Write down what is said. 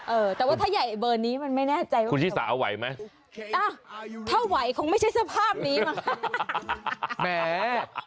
เออแต่ว่าถ้าใหญ่เบอร์นี้มันไม่แน่ใจว่าคุณชิสาไหวไหมอ่ะถ้าไหวคงไม่ใช่สภาพนี้มั้งค่ะ